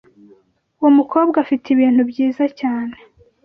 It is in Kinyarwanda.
Uwo mukobwa afite ibintu byiza cyane.